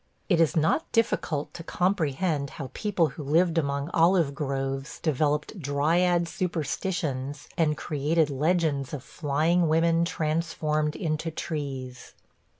It is not difficult to comprehend how people who lived among olive groves developed dryad superstitions and created legends of flying women transformed into trees.